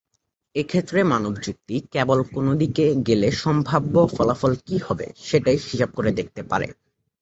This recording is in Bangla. এক্ষেত্রে মানব যুক্তি কেবল কোন দিকে গেলে সাম্ভাব্য ফলাফল কী হবে সেটাই হিসাব করে দেখতে পারে।